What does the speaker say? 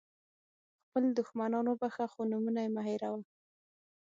خپل دښمنان وبخښه خو نومونه یې مه هېروه.